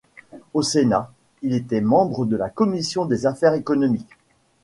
Au Sénat, il était membre de la commission des affaires économiques.